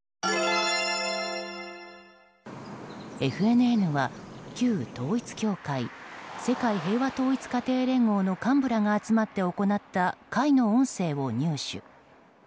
ＦＮＮは旧統一教会世界平和統一家庭連合の幹部らが集まって行った会の音声を入手。